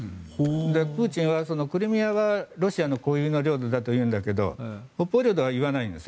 プーチンはクリミアはロシア固有の領土だと言うんだけど北方領土は言わないんです。